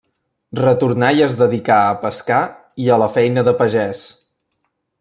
Retornà i es dedicà a pescar i a la feina de pagès.